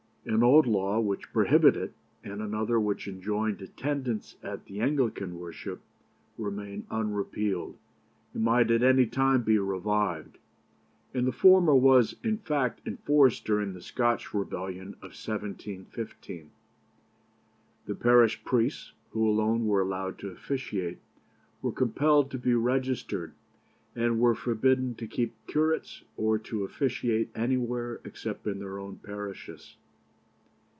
An old law which prohibited it, and another which enjoined attendance at the Anglican worship, remained unrepealed, and might at any time be revived; and the former was, in fact, enforced during the Scotch rebellion of 1715. The parish priests, who alone were allowed to officiate, were compelled to be registered, and were forbidden to keep curates or to officiate anywhere except in their own parishes.